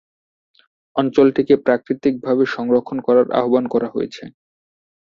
অঞ্চলটিকে প্রাকৃতিকভাবে সংরক্ষণ করার আহ্বান করা হয়েছে।